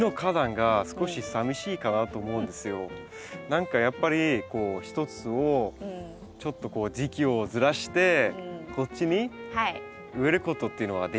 何かやっぱり一つをちょっとこう時期をずらしてこっちに植えることっていうのはできないですかね？